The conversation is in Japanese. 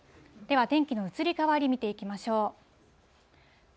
では天気の移り変わり、見ていきましょう。